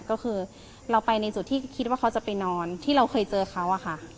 ก็คือเราไปในจุดที่คิดว่าเขาจะไปนอนที่เราเคยเจอเขาอะค่ะ